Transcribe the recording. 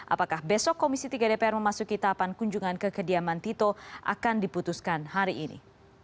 apakah besok komisi tiga dpr memasuki tahapan kunjungan ke kediaman tito akan diputuskan hari ini